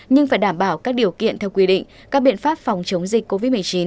nhưng phải đảm bảo các điều kiện theo quy định các biện pháp phòng chống dịch covid một mươi chín